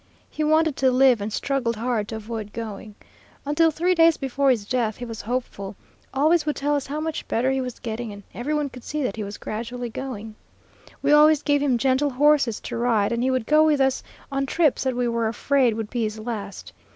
He wanted to live, and struggled hard to avoid going. Until three days before his death he was hopeful; always would tell us how much better he was getting, and every one could see that he was gradually going. We always gave him gentle horses to ride, and he would go with us on trips that we were afraid would be his last.